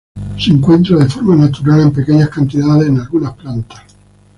Se encuentra de forma natural, en pequeñas cantidades en algunas plantas.